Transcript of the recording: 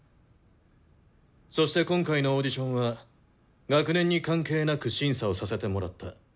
そして今回のオーディションは学年に関係なく審査をさせてもらった。